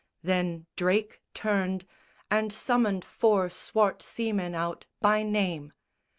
Then Drake turned And summoned four swart seamen out by name.